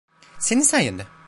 Senin sayende.